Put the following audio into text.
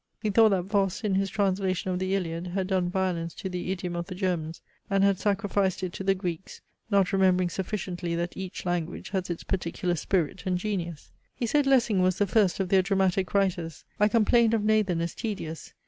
He thought that Voss in his translation of THE ILIAD had done violence to the idiom of the Germans, and had sacrificed it to the Greeks, not remembering sufficiently that each language has its particular spirit and genius. He said Lessing was the first of their dramatic writers. I complained of NATHAN as tedious.